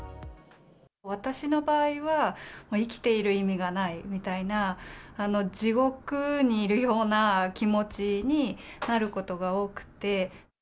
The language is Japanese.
私の場合は、生きている意味がないみたいな、地獄にいるような気持ちになることが多くて。